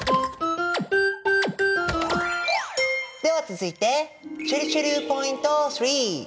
では続いてちぇるちぇるポイント３。